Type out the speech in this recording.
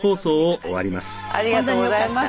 ありがとうございます。